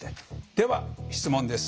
では質問です。